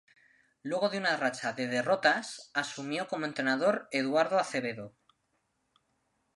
Luego de una racha de derrotas, asumió como entrenador Eduardo Acevedo.